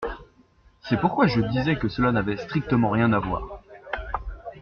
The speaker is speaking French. C’est pourquoi je disais que cela n’avait strictement rien à voir.